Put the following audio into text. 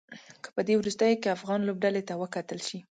که په دې وروستيو کې افغان لوبډلې ته وکتل شي.